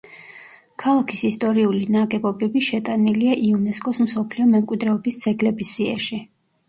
ქალაქის ისტორიული ნაგებობები შეტანილია იუნესკოს მსოფლიო მემკვიდრეობის ძეგლების სიაში.